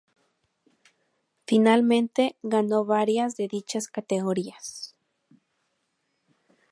Finalmente, ganó varias de dichas categorías.